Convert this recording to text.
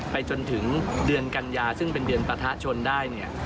ไปจนถึงเดือนกันยาซึ่งเป็นเดือนประทาชนได้